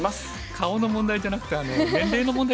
顔の問題じゃなくて年齢の問題で。